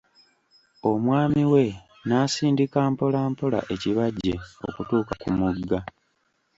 Omwami we n'asindika mpola mpola ekibajje okutuuka ku mugga.